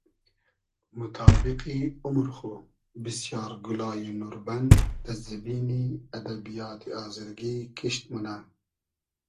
موتابیقی اومر خو بیسیار گولایی نوربئن دۂ زیمینی ادبیاتی آزرگی کیشت مونۂ